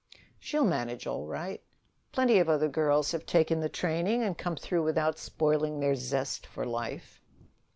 "She'll manage all right. Plenty of other girls have taken the training and come through without spoiling their zest for life."